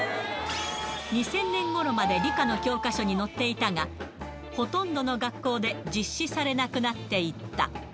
２０００年ごろまで理科の教科書に載っていたが、ほとんどの学校で実施されなくなっていった。